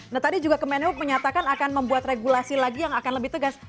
nah tadi juga kemenhub menyatakan akan membuat regulasi lagi yang akan lebih tegas